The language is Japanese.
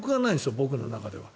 僕の中では。